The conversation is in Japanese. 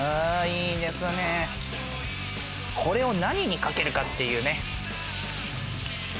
これを何にかけるかっていうね。